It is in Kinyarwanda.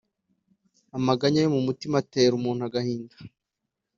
amaganya yo mu mutima atera umuntu agahinda,